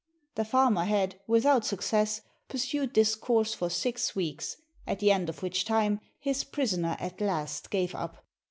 The farmer had, without success, pursued this course for six weeks, at the end of which time his prisoner at last gave up.